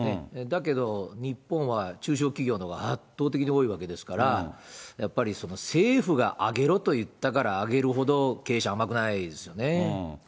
だけど日本は中小企業のほうが圧倒的に多いわけですから、やっぱり政府が上げろと言ったから上げるほど、経営者は甘くないですよね。